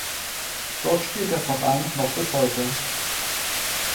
Dort spielt der Verein noch bis heute.